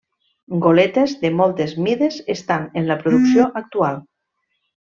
Goletes de moltes mides estan en la producció actual.